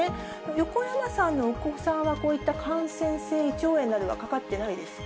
横山さんのお子さんは、こういった感染性胃腸炎などはかかってないですか？